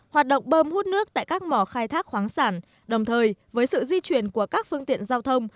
hoạt động bơm hút nước tại các mỏ khai thác khoáng sản đồng thời với sự di chuyển của các phương tiện giao thông